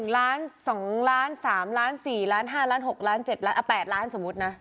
๑ล้าน๒ล้าน๓ล้าน๔ล้าน๕ล้าน๖ล้าน๗ล้าน๘ล้านสมมุตินะ